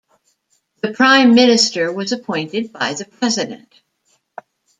The Prime Minister was appointed by the President.